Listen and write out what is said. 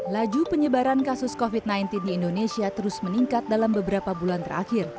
laju penyebaran kasus covid sembilan belas di indonesia terus meningkat dalam beberapa bulan terakhir